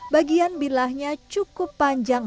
bagian bilahnya cukup panjang